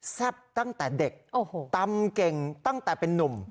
แซ่บตั้งแต่เด็กตำเก่งตั้งแต่เป็นนุ่ม